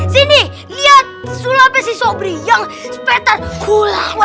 sini lihat sulapnya si sobri yang spektakuler